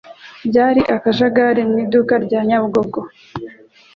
Byari akajagari mu iduka rya Nyabugogo.